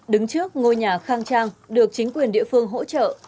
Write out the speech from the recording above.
đứng trước ngôi nhà khang trang được chính quyền địa phương hỗ trợ